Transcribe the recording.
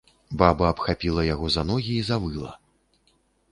Баба абхапіла яго за ногі і завыла.